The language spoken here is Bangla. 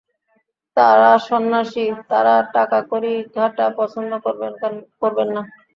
তাঁরা সন্ন্যাসী, তাঁরা টাকাকড়ি ঘাঁটা পছন্দ করবেন না।